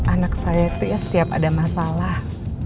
anak saya itu ya setiap ada masalah